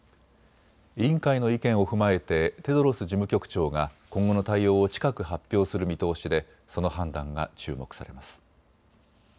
委員会の意見を踏まえてテドロス事務局長が今後の対応を近く発表する見通しでその判断が注目されます。